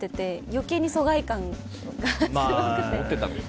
余計に疎外感がすごくて。